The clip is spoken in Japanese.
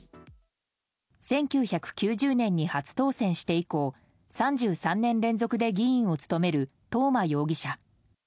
１９９０年に初当選して以降３３年連続で議員を務める東間容疑者。